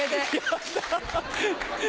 やった！